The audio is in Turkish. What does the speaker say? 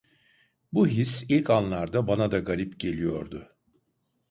Bu his ilk anlarda bana da garip geliyordu.